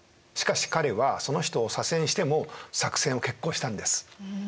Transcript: しかし彼はその人を左遷しても作戦を決行したんです。